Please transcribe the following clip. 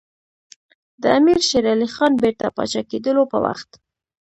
د امیر شېر علي خان بیرته پاچا کېدلو په وخت.